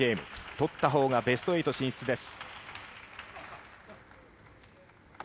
取ったほうがベスト８進出です。